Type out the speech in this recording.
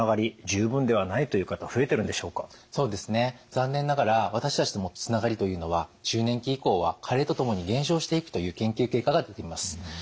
残念ながら私たちのつながりというのは中年期以降は加齢とともに減少していくという研究結果が出ています。